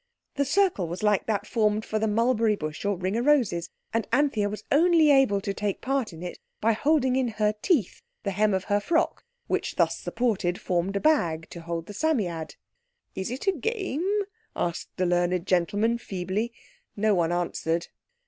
The circle was like that formed for the Mulberry Bush or Ring o' Roses. And Anthea was only able to take part in it by holding in her teeth the hem of her frock which, thus supported, formed a bag to hold the Psammead. "Is it a game?" asked the learned gentleman feebly. No one answered.